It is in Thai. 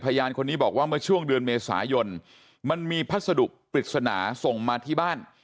พยานคนนี้บอกว่าเมื่อช่วงเดือนเมษายนมันมีพัสดุปริศนาส่งมาที่บ้าน